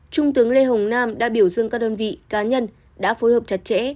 trung tướng lê hồng nam đã biểu dương các đơn vị cá nhân đã phối hợp chặt chẽ